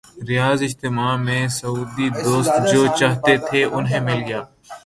ریاض اجتماع میں سعودی دوست جو چاہتے تھے، انہیں مل گیا۔